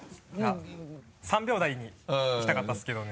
３秒台にいきたかったですけどね